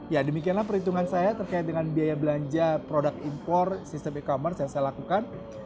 ya demikianlah perhitungan saya terkait dengan biaya belanja produk impor sistem e commerce yang saya lakukan